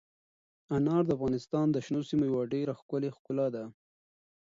انار د افغانستان د شنو سیمو یوه ډېره ښکلې ښکلا ده.